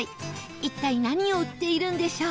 一体何を売っているんでしょう？